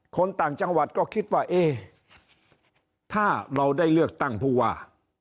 คนต่างจังหวัดก็คิดว่าเอ๊ะถ้าเราได้เลือกตั้งผู้ว่า